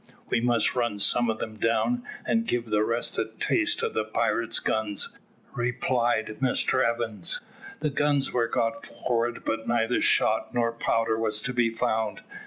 "We must run some of them down, and give the rest a taste of the pirate's guns," replied Mr Evans. The guns were got forward, but neither shot nor powder was to be found.